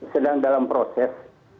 sedang dalam proses